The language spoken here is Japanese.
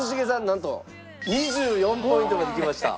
なんと２４ポイントまできました。